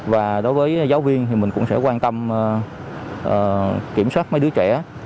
và đối với giáo viên thì mình cũng sẽ quan tâm kiểm soát mấy đứa trẻ